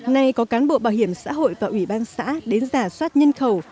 nay có cán bộ bảo hiểm xã hội và ủy ban xã đến giả soát nhân khẩu